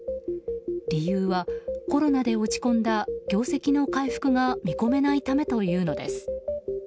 理由はコロナで落ち込んだ業績の回復が見込めないためというのです。